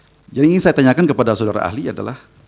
jadi yang ingin saya tanyakan kepada saudara ahli adalah